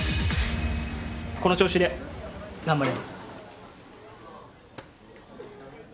この調子で頑張れ。